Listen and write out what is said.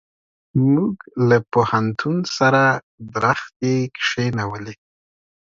موږ له پوهنتون سره درختي کښېنولې.